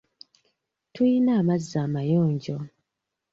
Tuyina amazzi amayonjo.